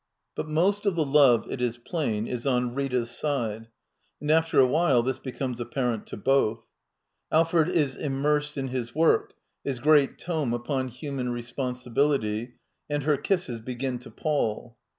But most of the love, it is plain, is on Rita's side, and after awhile this becomes apparent to both. ' Alfred is immersed in his work — his great tome I upon " Human Responsibility "— and her kisses j begin to pall.